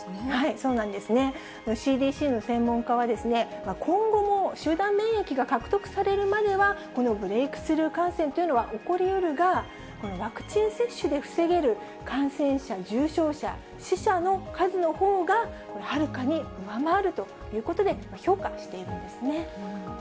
そうなんですね、ＣＤＣの専門家は、今後も集団免疫が獲得されるまでは、このブレークスルー感染というのは起こりうるが、このワクチン接種で防げる感染者、重症者、死者の数のほうが、はるかに上回るということで、評価しているんですね。